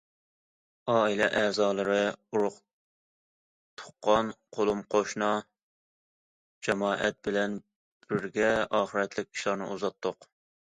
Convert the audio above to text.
ئائىلە ئەزالىرى، ئۇرۇق- تۇغقان، قولۇم- قوشنا جامائەت بىلەن بىرگە ئاخىرەتلىك ئىشلارنى ئۇزاتتۇق.